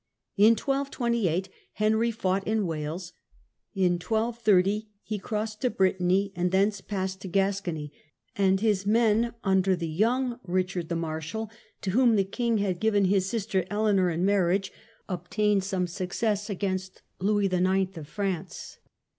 In 1228 Henry fought in Wales, in 1230 he crossed to Brittany, and thence passed to Gascony, and his men under the young Richard the Marshal (to whom the king had given his sister Eleanor in marriage) obtained some success against Louis IX. of France.